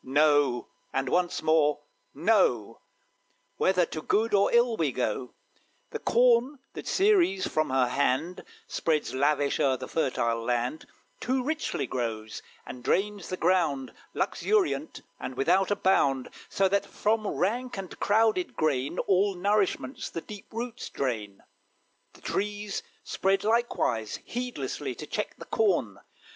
No; and once more, No! Whether to good or ill we go. The corn that Ceres from her hand Spreads lavish o'er the fertile land, Too richly grows, and drains the ground, Luxuriant, and without a bound; So that from rank and crowded grain All nourishment the deep roots drain; The trees spread likewise heedlessly To check the corn.